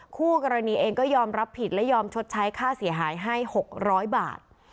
คู่กรณีเองก็ยอมรับผิดและยอมชดใช้ค่าเสียหายให้๖๐๐บาท